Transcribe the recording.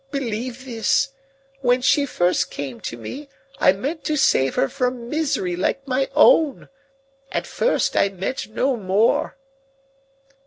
Believe this: when she first came to me, I meant to save her from misery like my own. At first, I meant no more."